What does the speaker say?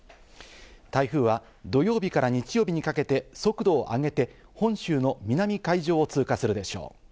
台風は土曜日から日曜日にかけて速度をあげて本州の南海上を通過するでしょう。